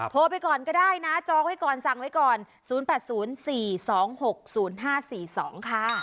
โทรไปก่อนก็ได้นะจองไว้ก่อนสั่งไว้ก่อน๐๘๐๔๒๖๐๕๔๒ค่ะ